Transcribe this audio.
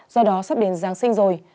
do đó sắp đến giáng sinh rồi